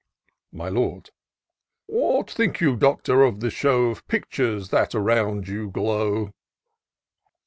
My Lord. " What think you, Doctor, of the show Of pictures that around you glow?"